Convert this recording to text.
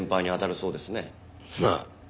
まあ。